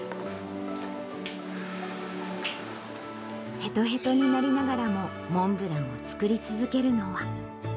へとへとになりながらも、モンブランを作り続けるのは。